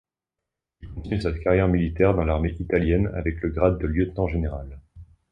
Il continue sa carrière militaire dans l'armée italienne avec le grade de lieutenant général.